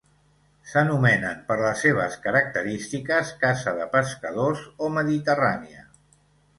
S'anomenen, per les seves característiques, casa de pescadors o mediterrània.